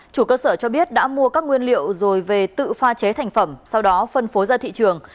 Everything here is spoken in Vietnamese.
chủ cơ sở cho biết đã mua các nguyên liệu rồi về tự pha chế thành phẩm sau đó phân phối ra thị trường